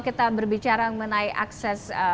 kita berbicara mengenai akses